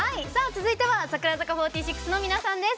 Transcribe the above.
続いては櫻坂４６の皆さんです。